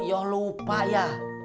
yoh lupa ya